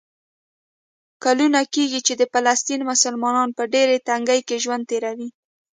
کلونه کېږي چې د فلسطین مسلمانان په ډېره تنګۍ کې ژوند تېروي.